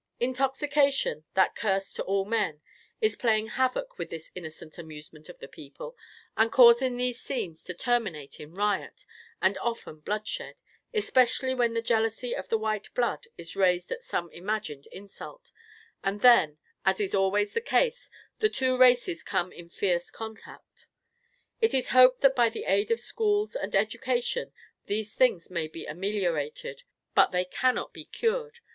Intoxication, that curse to all men, is playing havoc with this innocent amusement of the people, and causing these scenes to terminate in riot, and often bloodshed, especially when the jealousy of the white blood is raised at some imagined insult; and then, as is always the case, the two races come in fierce contact. It is hoped that by the aid of schools and education these things may be ameliorated, but they cannot be cured.